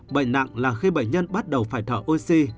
bệnh nặng là khi bệnh nhân bắt đầu phải thở oxy